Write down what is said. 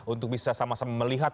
untuk bisa sama sama melihat